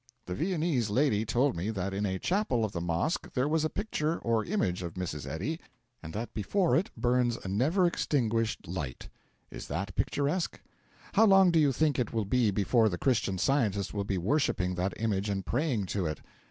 The Viennese lady told me that in a chapel of the Mosque there was a picture or image of Mrs. Eddy, and that before it burns a never extinguished light. Is that picturesque? How long do you think it will be before the Christian Scientist will be worshipping that image and praying to it?